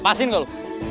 masih gak lo